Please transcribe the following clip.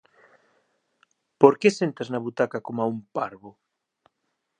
Por que sentas na butaca coma un parvo?